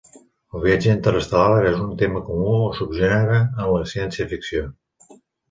El viatge interestel·lar és un tema comú o subgènere en la ciència-ficció.